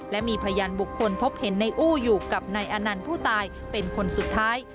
และมีพยานบุคคลพบเห็นในอู้อยู่กับนายอนันต์ผู้ตายเป็นคนสุดท้าย